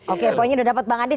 oke poinnya udah dapat bang andis